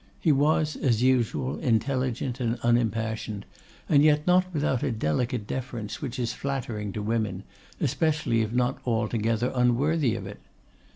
He was, as usual, intelligent and unimpassioned, and yet not without a delicate deference which is flattering to women, especially if not altogether unworthy of it.